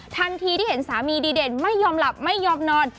ทันทีที่เห็นสามีดีเด่นไม่ยอมหลับไม่ยอมนอน